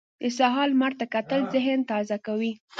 د سهار لمر ته کتل ذهن تازه کوي.